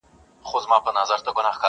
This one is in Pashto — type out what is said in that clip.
تر کور دباندي له اغیاره سره لوبي کوي!.